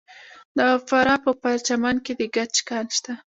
د فراه په پرچمن کې د ګچ کان شته.